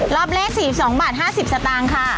รอบแรก๔๒บาท๕๐สตางค์ค่ะ